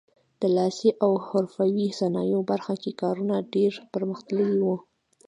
د لاسي او حرفوي صنایعو برخه کې کارونه ډېر پرمختللي وو.